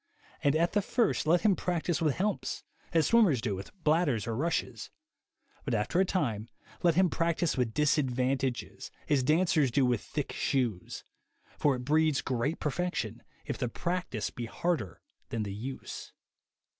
And, at the first, let him practise with helps, as swimmers do with bladders, or rushes; but after a time let him practise with disadvantages, as dancers do with thick shoes; for it breeds great perfection if the practice be harder than the use."